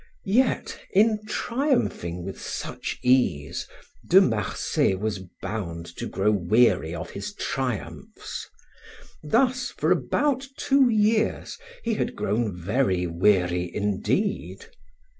Yet, in triumphing with such ease, De Marsay was bound to grow weary of his triumphs; thus, for about two years he had grown very weary indeed.